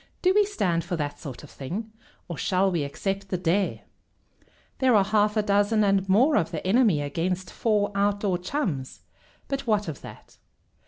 Do we stand for that sort of thing, or shall we accept the dare?" "There are half a dozen and more of the enemy against four Outdoor Chums, but what of that?